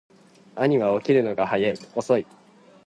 兄は起きるのが遅い